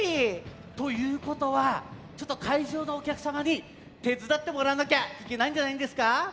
ということはちょっとかいじょうのおきゃくさまにてつだってもらわなきゃいけないんじゃないんですか？